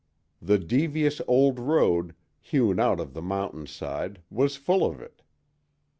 The devious old road, hewn out of the mountain side, was full of it.